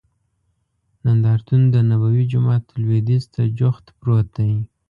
نندارتون دنبوي جومات لوید یځ ته جوخت پروت دی.